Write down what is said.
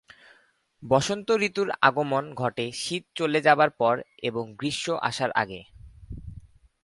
বসন্ত ঋতুর আগমন ঘটে শীত চলে যাবার পর এবং গ্রীষ্ম আসার আগে।